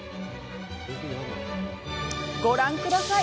ご覧ください。